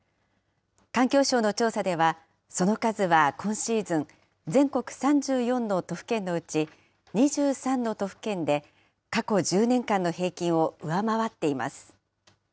環境省の調査では、その数は今シーズン、全国３４の都府県のうち、２３の都府県で、過去１０年間の平均を上回っています。